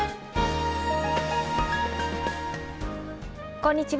こんにちは。